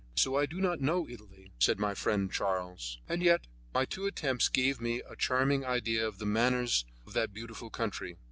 So I do not know Italy, said my friend, Charles Jouvent. And yet my two attempts gave me a charming idea of the manners of that beautiful country.